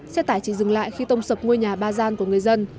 xe tải chỉ dừng lại khi tông sập ngôi nhà ba gian của người dân